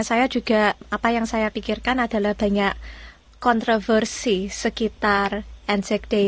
saya juga apa yang saya pikirkan adalah banyak kontroversi sekitar nz day